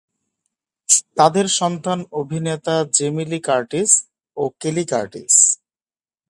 তাদের সন্তান অভিনেতা জেমি লি কার্টিস ও কেলি কার্টিস।